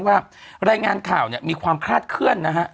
ว่ารายงานข่าวมีความฆาตเคลื่อน